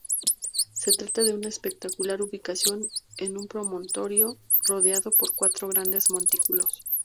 Se trata de una espectacular ubicación en un promontorio, rodeado por cuatro grandes montículos.